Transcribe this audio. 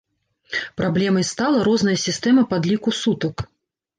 Праблемай стала розная сістэма падліку сутак.